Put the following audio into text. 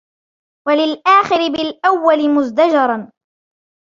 وَلِلْآخِرِ بِالْأَوَّلِ مُزْدَجَرًا